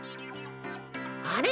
あれ？